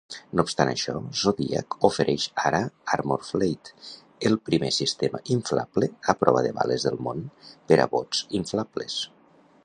No obstant això, Zodiac ofereix ara ArmorFlate, el primer sistema inflable a prova de bales del món per a bots inflables.